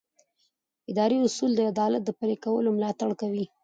اداري اصول د عدالت د پلي کولو ملاتړ کوي.